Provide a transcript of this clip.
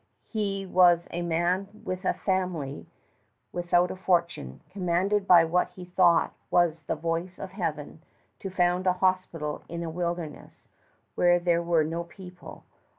Here was a man with a family, without a fortune, commanded by what he thought was the voice of Heaven to found a hospital in a wilderness where there were no people.